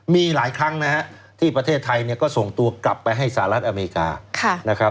มีหลายครั้งที่ประเทศไทยก็ส่งตัวกลับไปให้สหรัฐอเมริกา